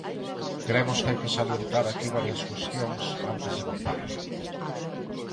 Cremos que hai que salientar aquí varias cuestións antes de votar.